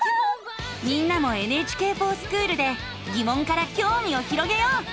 みんなも「ＮＨＫｆｏｒＳｃｈｏｏｌ」でぎもんからきょうみを広げよう。